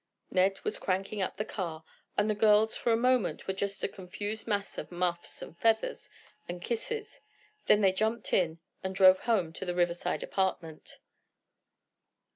Ned was cranking up the car, and the girls for a moment were just a confused mass of muffs and feathers and kisses, then they jumped in, and drove home to the Riverside apartment.